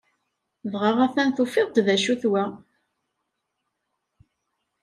Dɣa atan tufiḍ-d acu-t wa!